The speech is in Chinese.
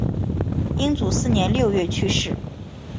英祖四年六月去世。